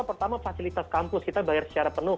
pertama fasilitas kampus kita bayar secara penuh